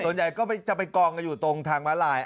ส่วนใหญ่ก็จะไปกองกันอยู่ตรงทางม้าลาย